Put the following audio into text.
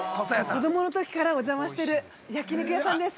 子供のときからお邪魔してる焼肉屋さんです。